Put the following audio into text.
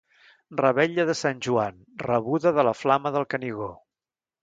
Revetlla de Sant Joan, rebuda de la flama del Canigó.